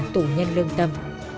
tù nhân lương tâm